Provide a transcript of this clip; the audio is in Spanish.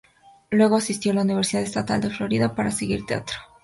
Luego asistió a la Universidad Estatal de Florida para seguir teatro.